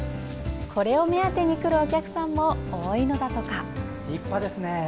これを目当てにくるお客さんも多いのだとか。